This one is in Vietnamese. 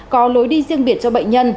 có lối đi riêng biệt cho bệnh nhân